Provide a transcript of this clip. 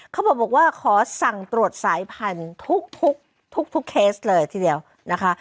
เขาบอกว่าขอสั่งตรวจสายพันธุ์ทุกเคสเลยทีเดียวนะคะ